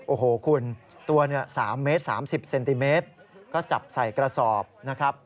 โอ้โหคุณตัวเนี่ย๓เมตร๓๐เซนติเมตรก็จับใส่กระสอบนะครับ